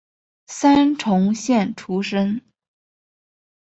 三重县出身。